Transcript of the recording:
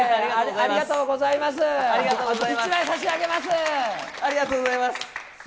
ありがとうございます。